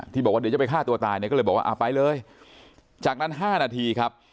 บอกว่าเดี๋ยวจะไปฆ่าตัวตายเนี่ยก็เลยบอกว่าอ่าไปเลยจากนั้น๕นาทีครับ